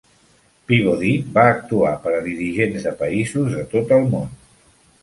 Peabody va actuar per a dirigents de països de tot el món.